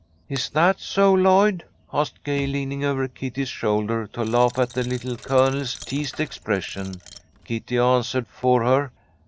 '" "Is that so, Lloyd?" asked Gay, leaning over Kitty's shoulder to laugh at the Little Colonel's teased expression. Kitty answered for her.